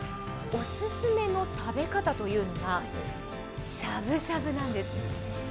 オススメの食べ方というと、しゃぶしゃぶなんです。